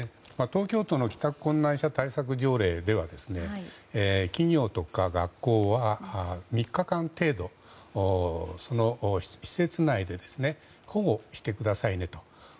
東京都の帰宅困難者対策条例では企業とか学校は３日間程度施設内で保護してくださいねと。